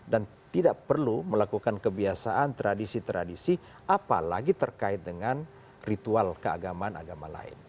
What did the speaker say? dan tidak perlu melakukan kebiasaan tradisi tradisi apalagi terkait dengan ritual keagamaan agama lain